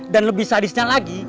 dan lebih sadisnya lagi